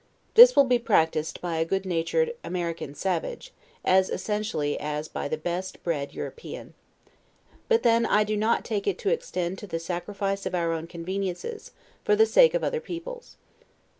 This will be practiced by a good natured American savage, as essentially as by the best bred European. But then, I do not take it to extend to the sacrifice of our own conveniences, for the sake of other people's.